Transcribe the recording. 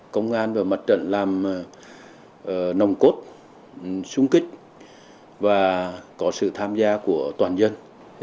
công an và mặt trận làm nồng cốt súng kích và có sự tham gia của toàn dân